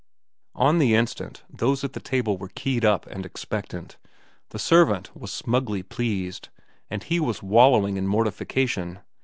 On the instant those at the table were keyed up and expectant, the servant was smugly pleased, and he was wallowing in mortification.